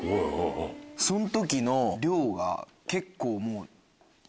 その時の量が結構もう。